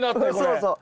そうそう。